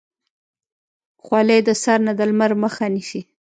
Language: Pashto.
خولۍ د سر نه د لمر مخه نیسي.